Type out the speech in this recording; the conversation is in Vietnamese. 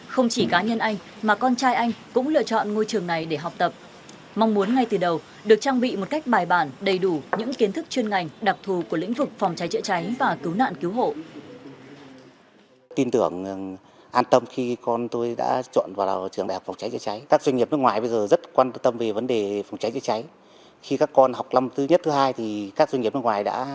không chỉ cá nhân anh mà con trai anh cũng lựa chọn ngôi trường này để học tập mong muốn ngay từ đầu được trang bị một cách bài bản đầy đủ những kiến thức chuyên ngành đặc thù của lĩnh vực phòng cháy chữa cháy và cứu nạn cứu hộ